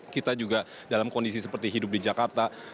kita juga dalam kondisi seperti hidup di jakarta